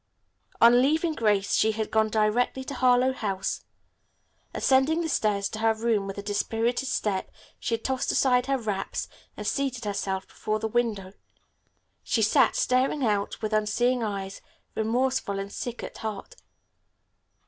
On leaving Grace she had gone directly to Harlowe House. Ascending the stairs to her room with a dispirited step, she had tossed aside her wraps and seated herself before the window. She sat staring out with unseeing eyes, remorseful and sick at heart.